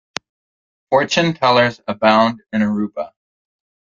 Fortune tellers abound in Aruba.